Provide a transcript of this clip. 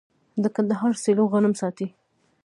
د کندهار سیلو غنم ساتي.